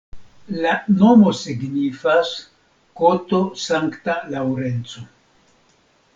La nomo signifas koto-Sankta Laŭrenco.